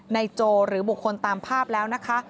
โจหรือบุคคลตามภาพแล้วนะคะ